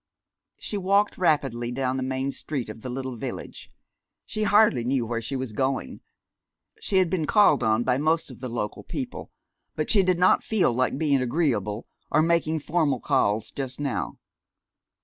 She walked rapidly down the main street of the little village. She hardly knew where she was going. She had been called on by most of the local people, but she did not feel like being agreeable, or making formal calls, just now.